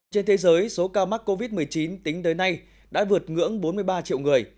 trên thế giới số ca mắc covid một mươi chín tính tới nay đã vượt ngưỡng bốn mươi ba triệu người